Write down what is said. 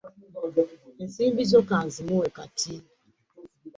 Ensimbi zo ka nzimuwe kati.